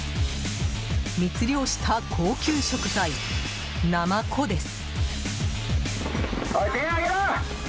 密漁した高級食材ナマコです。